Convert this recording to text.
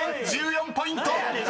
［１４ポイント！］